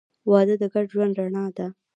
• واده د ګډ ژوند رڼا ده.